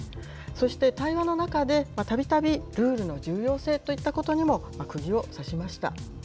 そして、対話の中で、たびたびルールの重要性といったことにもくぎを刺しました。